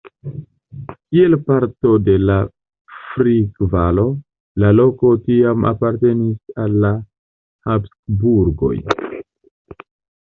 Kiel parto de la Frick-Valo, la loko tiam apartenis al la Habsburgoj.